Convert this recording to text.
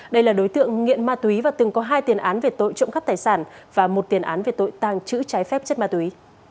đây là đối tượng nghiện ma túy và từng có hai tiền án về tội trộm cắp tài sản và một tiền án về tội tàng trữ trái phép chất ma túy